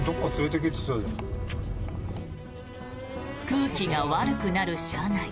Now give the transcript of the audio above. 空気が悪くなる車内。